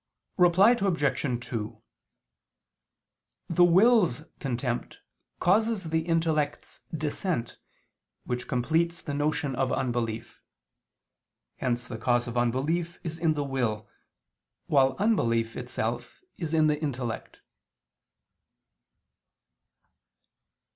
Reply Obj. 2: The will's contempt causes the intellect's dissent, which completes the notion of unbelief. Hence the cause of unbelief is in the will, while unbelief itself is in the intellect.